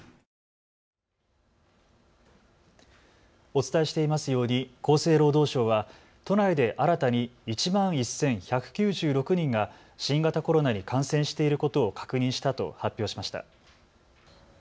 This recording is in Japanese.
お伝えしていますように厚生労働省は都内で新たに１万１１９６人が新型コロナに感染していることを確認したと発表しました。